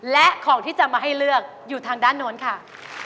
และของที่จะมาให้เลือกอยู่ทางด้านโน้นค่ะ